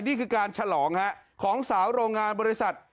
นี่คือการฉลองของสาวโรงงานบริษัท